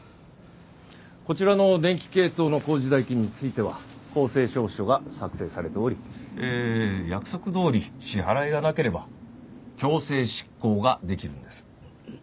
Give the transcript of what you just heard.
こちらの電気系統の工事代金については公正証書が作成されておりえー約束どおり支払いがなければ強制執行ができるんです。